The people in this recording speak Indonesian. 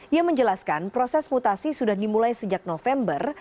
ia menjelaskan proses mutasi sudah dimulai sejak november